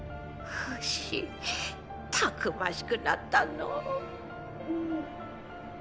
フシたくましくなったのう！